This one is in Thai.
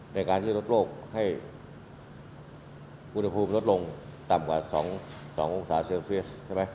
ในการที่ลดโรคให้อุณหภูมิลดลงต่ำกว่า๒องศาเซียลเฟียส